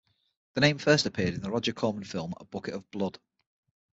The name first appeared in the Roger Corman film "A Bucket of Blood".